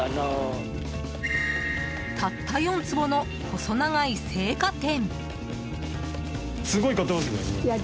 たった４坪の細長い青果店。